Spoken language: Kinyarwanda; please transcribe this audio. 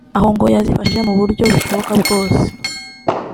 aho ngo yazifashije mu buryo bushoboka bwose